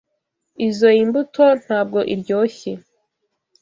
Izoi mbuto ntabwo iryoshye.